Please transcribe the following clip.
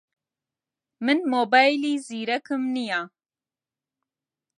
من مۆبایلی زیرەکم نییە.